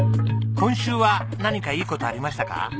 今週は何かいい事ありましたか？